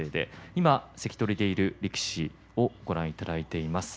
今、関取でる力士ご覧いただいています。